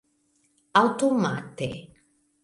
aŭtomate